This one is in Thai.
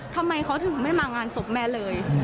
ทำไมเขาถึงไม่มางานศพแม่เลย